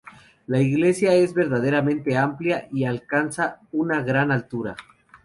La iglesia es verdaderamente amplia y alcanza una gran altura.